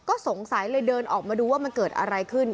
ก็สงสัยเลยเดินออกมาดูว่ามันเกิดอะไรขึ้น